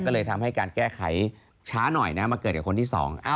ก็เลยทำให้การแก้ไขช้าหน่อยนะมาเกิดกับคนที่สอง